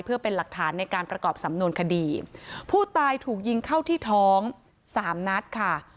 เพื่อเป็นหลักฐานในการประกอบสำนวนคดีผู้ตายถูกยิงเข้าที่ท้องสามนัดค่ะ